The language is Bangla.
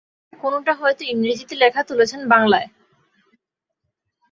কোনোটা হয়তো ইংরেজিতে লেখা, তুলেছেন বাংলায়।